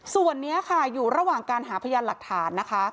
ส่วนนี้ค่ะอยู่ระหว่างการหาพยานหลักฐานนะคะ